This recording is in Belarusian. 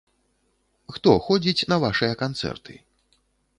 Хто ходзіць на вашыя канцэрты?